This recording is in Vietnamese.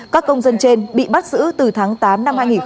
các công dân trên bị bắt giữ từ tháng tám năm hai nghìn một mươi chín